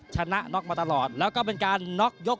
ชนะน็อกมาตลอดแล้วก็เป็นการน็อกยก